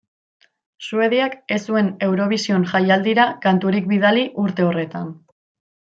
Suediak ez zuen Eurovision jaialdira kanturik bidali urte horretan.